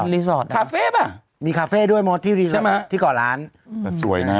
รีสอร์ตคาเฟ่ป่ะใช่มั้ยคะที่เกาะร้านมีคาเฟ่ด้วยมอส